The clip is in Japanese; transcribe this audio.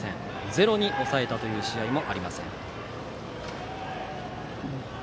ゼロに抑えたという試合もありません。